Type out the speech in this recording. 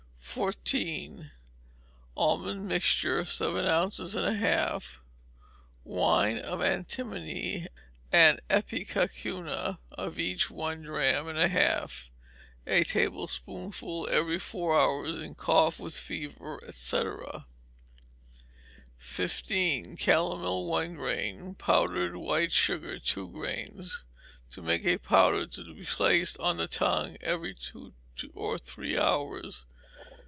14. Almond mixture seven ounces and a half; wine of antimony and ipecacuanha, of each one drachm and a half: a tablespoonful every four hours; in cough with fever, &c. 15. Calomel, one grain; powdered white sugar, two grains; to make a powder to be placed on the tongue every two or three hours.